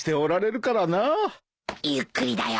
ゆっくりだよ。